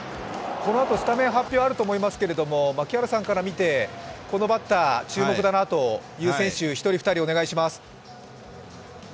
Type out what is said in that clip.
このあとスタメン発表があると思いますけれども、このバッター、注目だなという選手、１人２人お願いします。